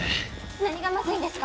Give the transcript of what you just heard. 何がまずいんですか？